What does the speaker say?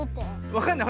わかんない？